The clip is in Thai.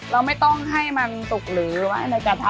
เราไม่ต้องให้มันตกหรือไว้ในกระทะ